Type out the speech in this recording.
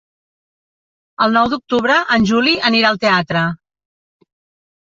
El nou d'octubre en Juli anirà al teatre.